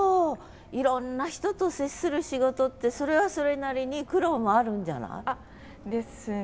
いろんな人と接する仕事ってそれはそれなりに苦労もあるんじゃない？ですね。